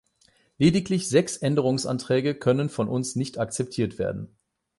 Lediglich sechs Änderungsanträge können von uns nicht akzeptiert werden.